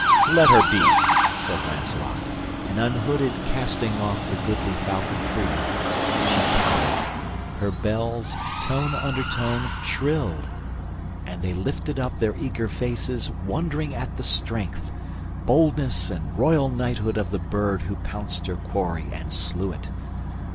"Let her be," Said Lancelot and unhooded casting off The goodly falcon free; she towered; her bells, Tone under tone, shrilled; and they lifted up Their eager faces, wondering at the strength, Boldness and royal knighthood of the bird Who pounced her quarry and slew it.